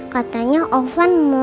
katanya oven mau